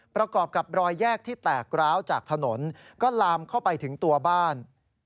ประกอบกับรอยแยกที่แตกร้าวจากถนนก็ลามเข้าไปถึงตัวบ้าน